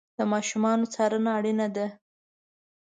د ماشومانو څارنه اړینه ده.